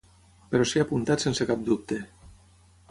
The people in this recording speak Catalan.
Però s'hi ha apuntat sense cap dubte.